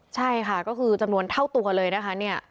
ใช่ค่ะก็คือจำนวนเท่าตัวเลยนะคะเนี่ย